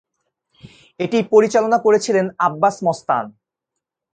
এটি পরিচালনা করেছিলেন আব্বাস-মস্তান।